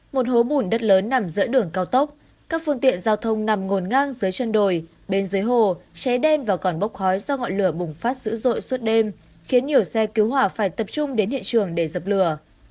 một hố bùn đất lớn nằm giữa đường cao tốc các phương tiện giao thông nằm ngồn ngang dưới chân đồi bên dưới hồ cháy đen và còn bốc khói do ngọn lửa bùng phát dữ dội suốt đêm khiến nhiều xe cứu hỏa phải tập trung đến hiện trường để dập lửa